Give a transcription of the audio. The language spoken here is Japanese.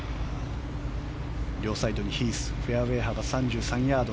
両サイドにヒースフェアウェーの幅３３ヤード